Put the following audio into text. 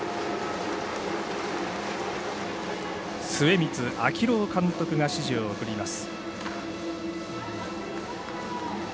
末光章朗監督が指示を送ります。